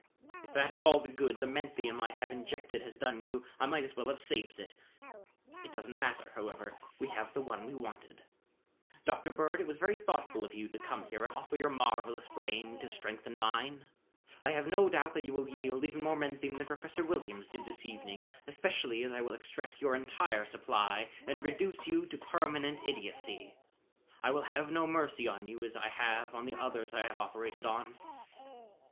"If that is all the good the menthium I have injected has done you, I might as well have saved it. It doesn't matter, however: we have the one we wanted. Dr. Bird, it was very thoughtful of you to come here and offer your marvelous brain to strengthen mine. I have no doubt that you will yield even more menthium than Professor Williams did this evening especially as I will extract your entire supply and reduce you to permanent idiocy. I will have no mercy on you as I have on the others I have operated on." Dr.